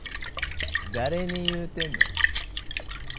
誰に言うてんの？